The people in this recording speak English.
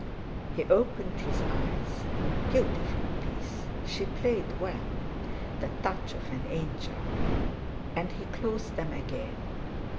He opened his eyes. Beautiful piece; she played well—the touch of an angel! And he closed them again.